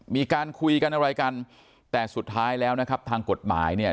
มีการคุยกันอะไรกันแต่สุดท้ายแล้วนะครับทางกฎหมายเนี่ย